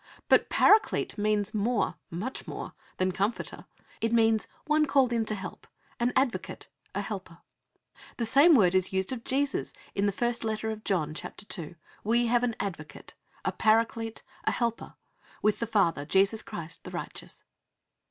But Paraclete means more, much more than Comforter. It means "one called in to help: an advocate, a helper." The same word is used of Jesus in i John ii. i: "We have an Advocate," a Paraclete, a Helper, "with the Father, Jesus Christ the righteous."